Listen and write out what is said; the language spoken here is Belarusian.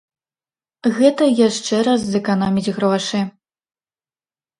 Гэта яшчэ раз зэканоміць грошы.